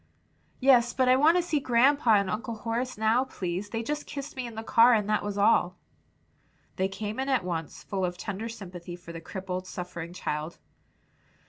"Yes, but I want to see grandpa and Uncle Horace now, please; they just kissed me in the car, and that was all." They came in at once, full of tender sympathy for the crippled, suffering child.